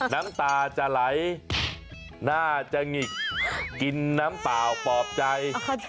น้ำตาจะไหลน่าจะหงิกกินน้ำเปล่าปลอบใจ